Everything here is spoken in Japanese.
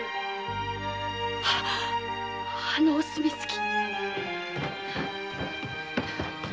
あのお墨付き！